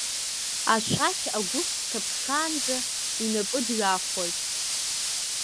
Ашәақь агәыцә дҭаԥшаанӡа инапы дҩахоит.